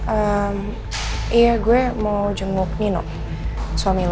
eh iya gue mau jenguk nino suami lo